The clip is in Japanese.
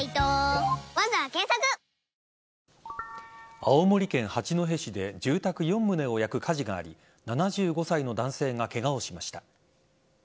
青森県八戸市で住宅４棟を焼く火事があり７５歳の男性がケガをしました。